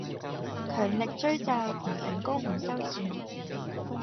強力追債，唔成功唔收錢!